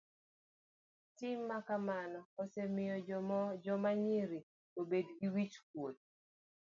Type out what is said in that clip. Tim makama osemiyo joma nyiri obedo gi wich kuot.